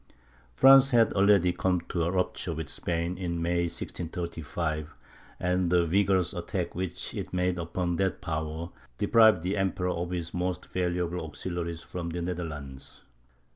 France had already come to a rupture with Spain, in May, 1635, and the vigorous attack which it made upon that power, deprived the Emperor of his most valuable auxiliaries from the Netherlands.